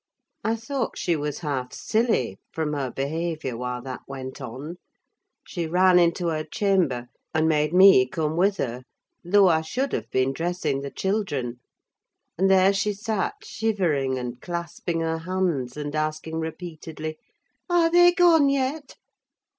I thought she was half silly, from her behaviour while that went on: she ran into her chamber, and made me come with her, though I should have been dressing the children: and there she sat shivering and clasping her hands, and asking repeatedly—"Are they gone yet?"